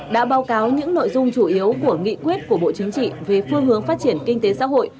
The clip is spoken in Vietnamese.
đã báo cáo những nội dung chủ yếu của nghị quyết của bộ chính trị về phương hướng phát triển kinh tế xã hội